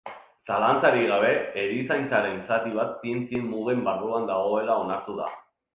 Zalantzarik gabe, erizaintzaren zati bat zientzien mugen barruan dagoela onartu da.